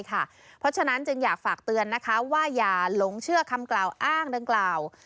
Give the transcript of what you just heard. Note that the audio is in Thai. เพราะฉะนั้นจึงอยากฝากเตือนนะคะว่าอย่าหลงเชื่อคำกล่าวอ้างดังกล่าว